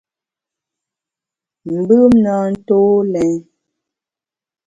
Mbùm na ntô lèn.